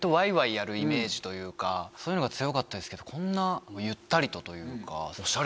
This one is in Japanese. やるイメージというかそういうのが強かったですけどこんなゆったりとというか。